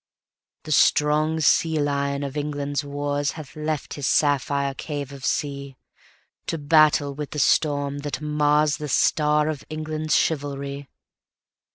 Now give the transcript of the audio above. The strong sea lion of England's warsHath left his sapphire cave of sea, To battle with the storm that marsThe star of England's chivalry.